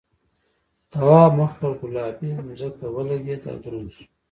تواب مخ پر گلابي ځمکه ولگېد او دروند شو.